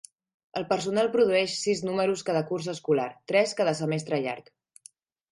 El personal produeix sis números cada curs escolar, tres cada semestre llarg.